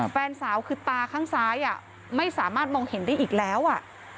แฟนสาวคือตาข้างซ้ายไม่สามารถมองเห็นได้อีกแล้วอ่ะ